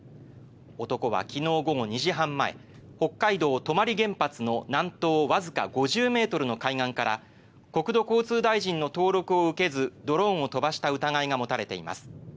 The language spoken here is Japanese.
男は昨日午後２時半前北海道・泊原発の南東わずか５０ｍの海岸から国土交通大臣の登録を受けずドローンを飛ばした疑いが持たれています。